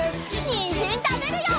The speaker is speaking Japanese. にんじんたべるよ！